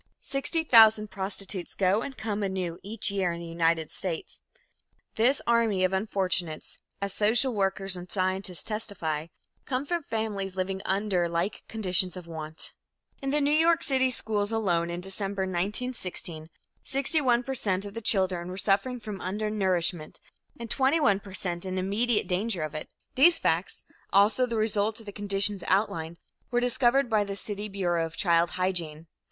Sixty thousand prostitutes go and come anew each year in the United States. This army of unfortunates, as social workers and scientists testify, come from families living under like conditions of want. In the New York City schools alone in December, 1916, 61 per cent of the children were suffering from undernourishment and 21 per cent in immediate danger of it. These facts, also the result of the conditions outlined, were discovered by the city Bureau of Child Hygiene.